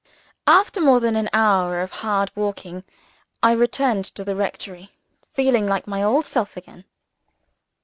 After more than an hour of hard walking, I returned to the rectory, feeling like my old self again.